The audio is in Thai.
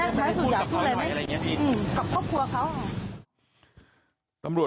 อันนี้เสียใจเนาะเตรียดพี่ตกหรือยังไงไม่พี่